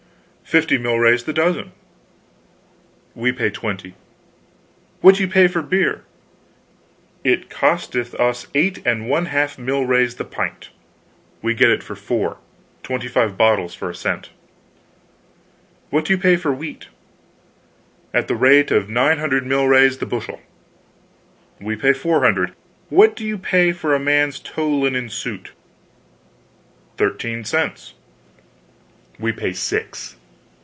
"Fifty milrays the dozen." "We pay twenty. What do you pay for beer?" "It costeth us eight and one half milrays the pint." "We get it for four; twenty five bottles for a cent. What do you pay for wheat?" "At the rate of nine hundred milrays the bushel." "We pay four hundred. What do you pay for a man's tow linen suit?" "Thirteen cents." "We pay six.